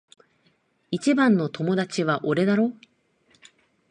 一番の友達は俺だろ？